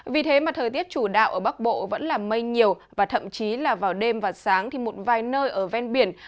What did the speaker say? vì thế mà thời tiết chủ đạo ở bắc bộ vẫn là mây nhiều và thậm chí là vào đêm và sáng thì một vài nơi ở ven biển